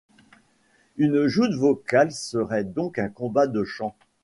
Une joute vocale serait donc un combat de chant.